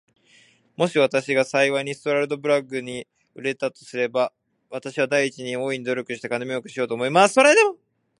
もし私が幸いにストラルドブラグに生れたとすれば、私はまず第一に、大いに努力して金もうけをしようと思います。